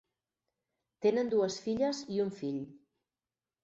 Tenen dues filles i un fill.